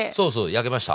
焼けました。